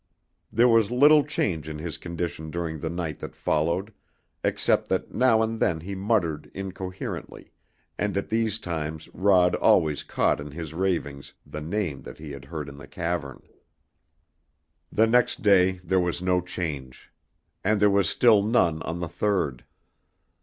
There was little change in his condition during the night that followed, except that now and then he muttered incoherently, and at these times Rod always caught in his ravings the name that he had heard in the cavern. The next day there was no change. And there was still none on the third.